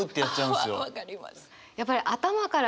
分かります。